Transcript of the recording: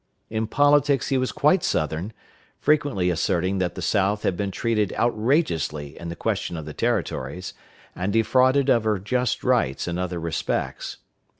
In politics he was quite Southern, frequently asserting that the South had been treated outrageously in the question of the Territories, and defrauded of her just rights in other respects.